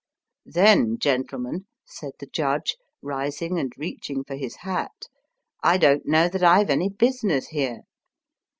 Then, gentlemen," said the judge, rising and reaching out for his hat, *' I don't know that I've any business here."